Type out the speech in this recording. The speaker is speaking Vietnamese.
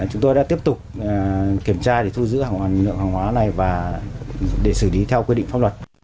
chúng tôi đã tiếp tục kiểm tra để thu giữ hàng hóa này và để xử lý theo quyết định pháp luật